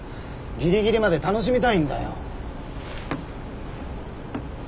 ギリギリまで楽しみたいんだよ。